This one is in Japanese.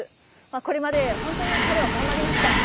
これまで本当に彼は頑張りました。